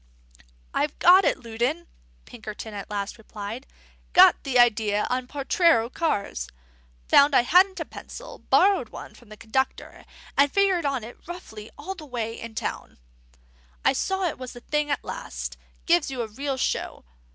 "I've got it, Loudon," Pinkerton at last replied. "Got the idea on the Potrero cars. Found I hadn't a pencil, borrowed one from the conductor, and figured on it roughly all the way in town. I saw it was the thing at last; gives you a real show.